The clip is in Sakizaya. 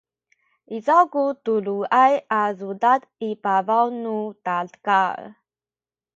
izaw ku tuluay a cudad i pabaw nu takal